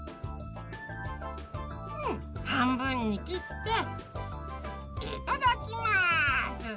うんはんぶんにきっていただきます！